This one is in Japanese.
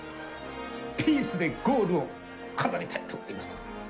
ピースでゴールを飾りたいと思います。